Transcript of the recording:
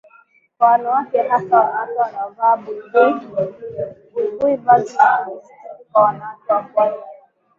kwa wanawake hasa wanawake wanaovaa baibui vazi la kujisitiri kwa wanawake wa Pwani ya